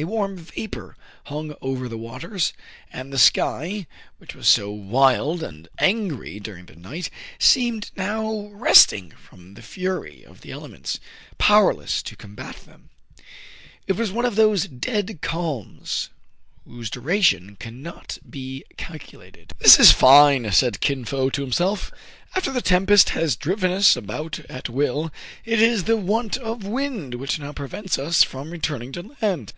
A warm vapor hung over the waters ; and the sky, which was so wild and angry during the night, seemed now resting from the fury of the elements, powerless to combat them. It was one of those dead calms whose duration cannot be calculated. 204 TRIBULATIONS OF A CHINAMAN, This is fine !" said Kin Fo to himself. "After the tempest has driven us about at will, it is the want of wind which now prevents us from return ing to land."